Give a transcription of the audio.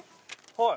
はい。